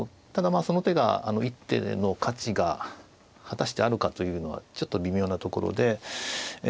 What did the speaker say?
ただその手が一手の価値が果たしてあるかというのはちょっと微妙なところで。